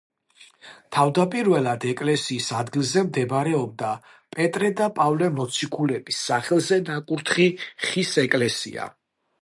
თავდაპირველად ეკლესიის ადგილზე მდებარეობდა პეტრე და პავლე მოციქულების სახელზე ნაკურთხი ხის ეკლესია.